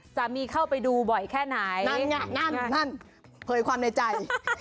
สามีเข้าไปดูบ่อยแค่ไหนนั่นไงนั่นเผยความในใจ